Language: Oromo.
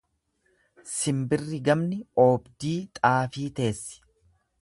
Simbirri gamni oobdii xaafii teessi.